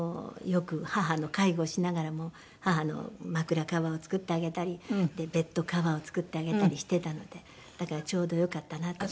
よく母の介護をしながらも母の枕カバーを作ってあげたりベッドカバーを作ってあげたりしてたのでだからちょうどよかったなと。